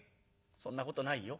「そんなことないよ。